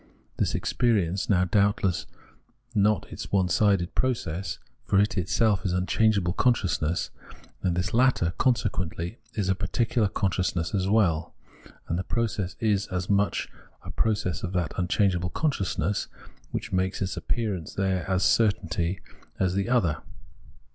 This experience is now doubtless not its own onesided process ; for it is itself unchangeable con sciousness ; and this latter, consequently, is a particu lar consciousness as well ; and the process is as much a process of that unchangeable consciousness, which makes its appearance there as certainly as the other.